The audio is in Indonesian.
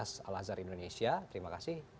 mas al azhar indonesia terima kasih